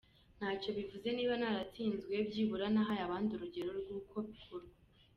Ntacyo bivuze niba naratsinzwe, byibura nahaye abandi urugero rw’uko bikorwa.